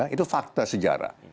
itu fakta sejarah